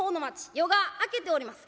夜が明けております。